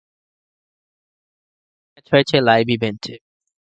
তার মধ্যে বেশিরভাগ ম্যাচ হয়েছে লাইভ ইভেন্টে।